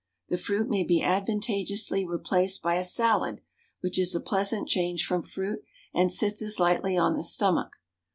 The fruit may be advantageously replaced by a salad, which is a pleasant change from fruit, and sits as lightly on the stomach.